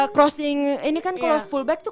crossing ini kan kalau fullback tuh